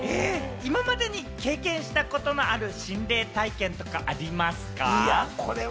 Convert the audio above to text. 今まで経験したことのある心霊体験はありますか？